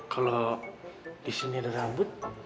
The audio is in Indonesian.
kalau disini ada rambut